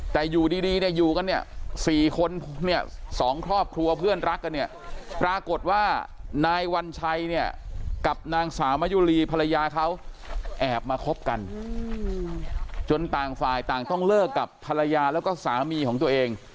แต่อยู่ดีเนี่ยอยู่กันเนี่ย๔คนเนี่ย๒ครอบครัวเพื่อนรักกันเนี่ยปรากฏว่านายวัญชัยเนี่ยกับนางสาวมะยุรีภรรยาเขาแอบมาคบกันจนต่างฝ่ายต่างต้องเลิกกับภรรยาแล้วก็สามีของตัวเอง